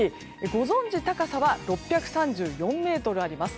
ご存じ高さは６３４ｍあります。